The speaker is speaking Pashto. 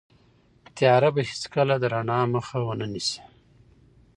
تیاره به هیڅکله د رڼا مخه ونه نیسي.